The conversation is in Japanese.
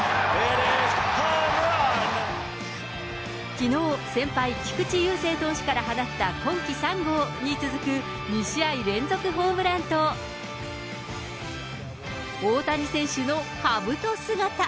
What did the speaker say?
きのう、先輩、菊池雄星投手から放った今季３号に続く２試合連続ホームランと、大谷選手のかぶと姿。